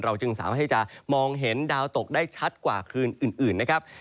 จึงสามารถที่จะมองเห็นดาวตกได้ชัดกว่าคืนอื่นนะครับ